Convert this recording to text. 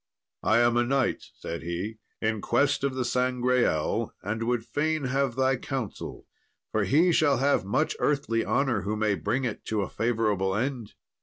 "I am a knight," said he, "in quest of the Sangreal, and would fain have thy counsel, for he shall have much earthly honour who may bring it to a favourable end."